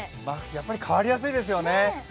やっぱり変わりやすいですよね。